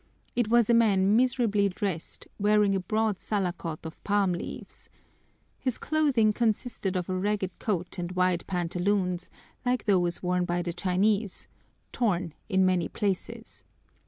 It was a man miserably dressed, wearing a broad salakot of palm leaves. His clothing consisted of a ragged coat and wide pantaloons, like those worn by the Chinese, torn in many places.